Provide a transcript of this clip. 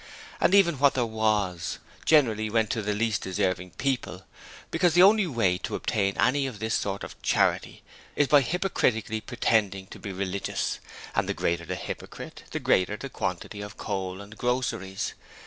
And even what there was generally went to the least deserving people, because the only way to obtain any of this sort of 'charity' is by hypocritically pretending to be religious: and the greater the hypocrite, the greater the quantity of coal and groceries.